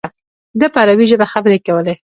ده په عربي ژبه خبرې کولې.